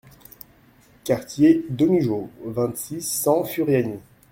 Quartier Domijo, vingt, six cents Furiani